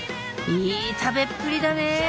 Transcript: いい食べっぷりだね。